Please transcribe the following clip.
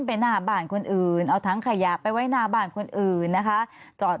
ไปหน้าบ้านคนอื่นเอาทั้งขยะไปไว้หน้าบ้านคนอื่นนะคะจอด